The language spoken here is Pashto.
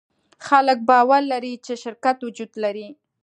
خلک باور لري، چې شرکت وجود لري.